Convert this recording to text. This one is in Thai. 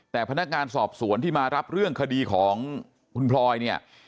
แต่พนักงานสอบสวนที่มารับเรื่องคดีของคุณพลอยเนี่ย